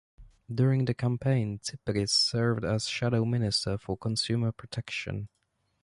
During the campaign, Zypries served as shadow minister for consumer protection.